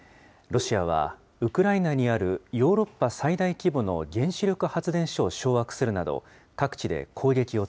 ロシアは、ウクライナにあるヨーロッパ最大規模の原子力発電所を掌握するな